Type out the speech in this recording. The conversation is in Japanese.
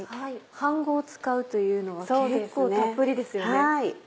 半合使うというのは結構たっぷりですよね。